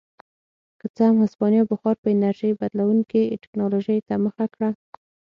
که څه هم هسپانیا بخار په انرژۍ چلېدونکې ټکنالوژۍ ته مخه کړه.